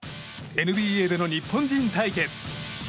ＮＢＡでの日本人対決。